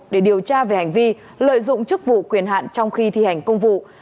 để điều tra về hành vi lợi dụng chức vụ quyền hạn trong khi thi hành công vụ